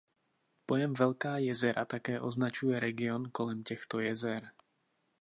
Pojem Velká jezera také označuje region kolem těchto jezer.